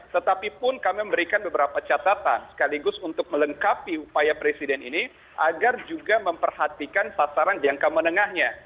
tetapi pun kami memberikan beberapa catatan sekaligus untuk melengkapi upaya presiden ini agar juga memperhatikan sasaran jangka menengahnya